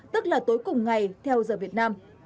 tức là tối cùng ngày theo giờ việt nam